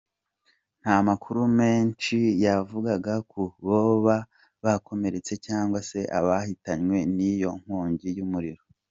Nta makuru menshi yavugaga ku boba bakomeretse cyangwase ababahitanywe n'iyo nkongi y'umuriro.